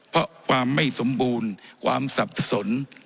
เพราะความไม่สมบูรณ์ความสับสน